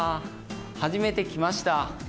初めて来ました。